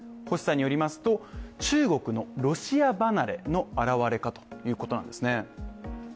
星さんによりますと、中国のロシア離れのあらわれかということなんですね。